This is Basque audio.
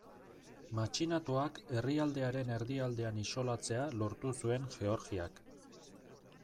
Matxinatuak herrialdearen erdialdean isolatzea lortu zuen Georgiak.